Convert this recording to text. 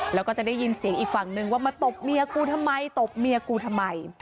แล้วก็จะได้ยินเสียงอีกฝั่งนึงว่ามาตบเมียกูทำไมตบเมียกูทำไม